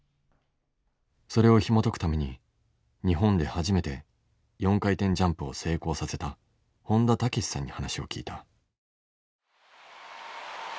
それをひもとくために日本で初めて４回転ジャンプを成功させた本田武史さんに話を聞いた。